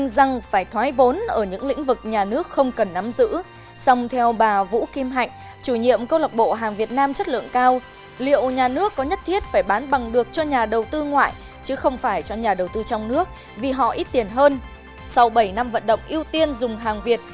xin chào và hẹn gặp lại trong các bản tin tiếp theo